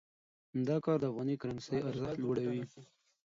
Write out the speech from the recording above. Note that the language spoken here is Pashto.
دا کار د افغاني کرنسۍ ارزښت لوړوي.